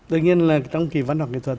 tất nhiên là trong kỳ văn hóa nghệ thuật